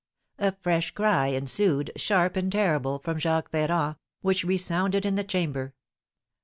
A fresh cry ensued, sharp and terrible, from Jacques Ferrand, which resounded in the chamber.